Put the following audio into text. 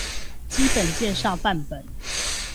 基本介紹範本